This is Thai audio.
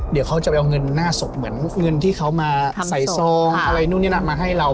เดี๋ยวเขาจะไปเอาเงินหน้าศพเหมือนเงินที่เขามาใส่ซองอะไรนู่นนี่นะมาให้เรา